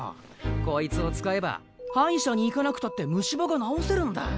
こいつを使えば歯医者に行かなくたって虫歯が治せるんだ。